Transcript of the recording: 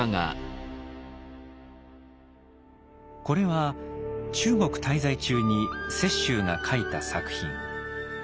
これは中国滞在中に雪舟が描いた作品。